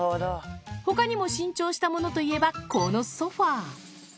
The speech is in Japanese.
ほかにも新調したものといえば、このソファー。